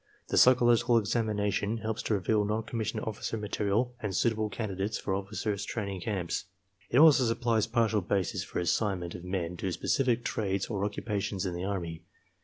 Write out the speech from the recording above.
The psychological examina tion helps to reveal non commissioned officer material and suitable candidates for officers' training camps. It also supplies partial basis for assignment of men to specific trades or occu pations in the Army.